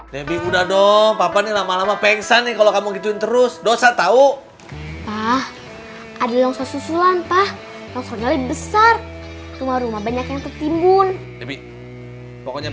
sampai jumpa di video selanjutnya